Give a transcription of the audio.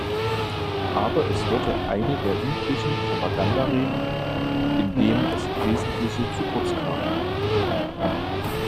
Aber es wurde eine der üblichen Propagandareden, in dem das Wesentliche zu kurz kam.